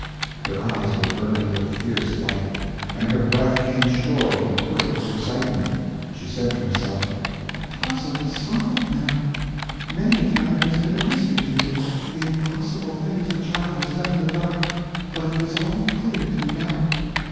Her eyes were burning with a fierce light, and her breath came short and quick with excitement. She said to herself: "The puzzle is solved now; many a time it has been a mystery to me, the impossible things the child has done in the dark, but it is all clear to me now."